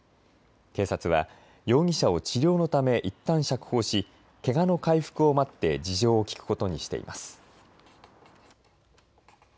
警察は容疑者を治療のためいったん釈放し、けがの回復を待って事情を聴くことにしています。